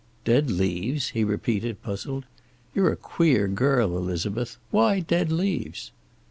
"Dead leaves?" he repeated, puzzled. "You're a queer girl, Elizabeth. Why dead leaves?"